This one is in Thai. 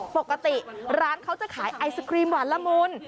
ปกติร้านเขาจะขายไอศครีมหวานละมุน